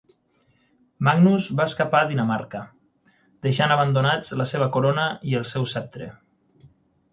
Magnus va escapar a Dinamarca, deixant abandonats la seva corona i el seu ceptre.